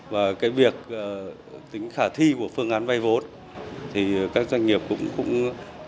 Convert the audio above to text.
và việc tính khả thi của phương án vay vốn các doanh nghiệp cũng chưa đủ